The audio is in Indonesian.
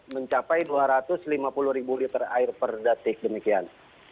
mencapai dua ratus lima puluh ribu liter air per detik demikian